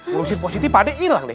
lulusin pos siti pak deh ilang deh